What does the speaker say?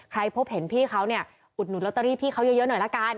พบเห็นพี่เขาเนี่ยอุดหนุนลอตเตอรี่พี่เขาเยอะหน่อยละกัน